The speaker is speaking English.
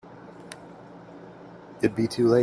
It'd be too late.